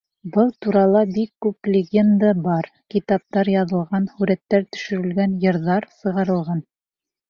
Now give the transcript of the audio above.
Был турала бик күп легенда бар, китаптар яҙылған, һүрәттәр төшөрөлгән, йырҙар сығарылған.